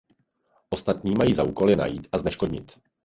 Ostatní mají za úkol je najít a zneškodnit.